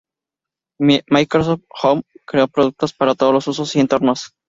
Microsoft Home creó productos para todos los usos y entornos.